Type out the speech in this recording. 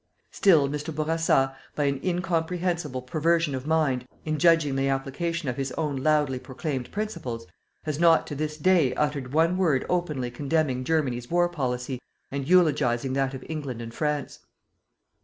Still Mr. Bourassa, by an incomprehensible perversion of mind in judging the application of his own loudly proclaimed principles, has not to this day uttered one word openly condemning Germany's war policy and eulogizing that of England and France.